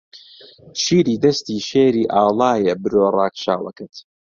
شیری دەستی شێری ئاڵایە برۆ ڕاکشاوەکەت